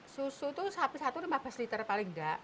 susu itu sapi satu lima belas liter paling enggak